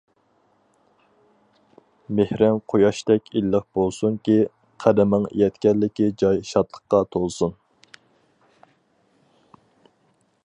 مېھرىڭ قۇياشتەك ئىللىق بولسۇنكى، قەدىمىڭ يەتكەنلىكى جاي شادلىققا تولسۇن!